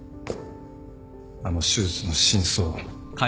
あの手術の真相を。